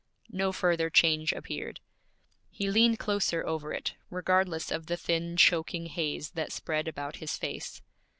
No further change appeared. He leaned closer over it, regardless of the thin choking haze that spread about his face.